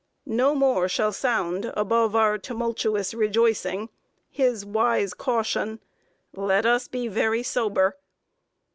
] No more shall sound above our tumultuous rejoicing his wise caution, "Let us be very sober."